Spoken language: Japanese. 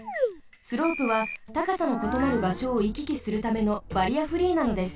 スロープはたかさのことなるばしょをいききするためのバリアフリーなのです。